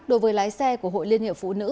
đối với lái xe của hội liên hiệp phụ nữ